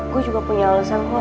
gue juga punya alasan kok